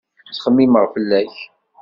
Ttxemmimeɣ fell-ak.